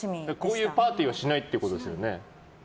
こういうパーティーはしないってことですよね？